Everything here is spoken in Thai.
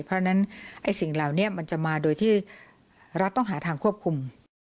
เพราะฉะนั้นสิ่งเหล่านี้มันจะมาโดยที่รัฐต้องหาทางควบคุม